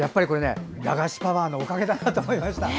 駄菓子パワーのおかげだと思いました。